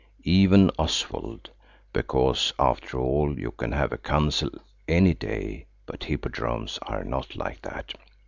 Even Oswald–because after all you can have a council any day, but Hippodromes are not like that.